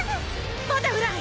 バタフライ！